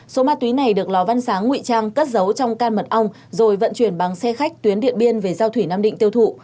số ma túy này được lò văn sáng nguy trang cất giấu trong can mật ong rồi vận chuyển bằng xe khách tuyến điện biên về giao thủy nam định tiêu thụ